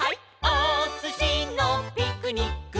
おすしのピクニック」